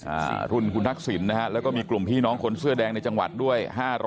อ่ารุ่นคุณทักษิณนะฮะแล้วก็มีกลุ่มพี่น้องคนเสื้อแดงในจังหวัดด้วยห้าร้อย